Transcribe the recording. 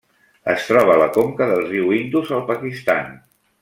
Es troba a la conca del riu Indus al Pakistan.